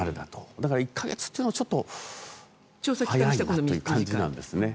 だから１か月というのはちょっと早いなという感じなんですね。